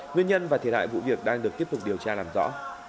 nguyên nhân và thiệt hại vụ việc đang được tiếp tục điều tra làm rõ